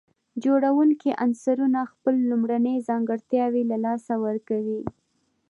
جوړونکي عنصرونه خپل لومړني ځانګړتياوي له لاسه ورکوي.